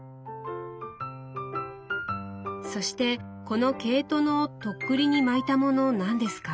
そしてこの毛糸の徳利に巻いたもの何ですか？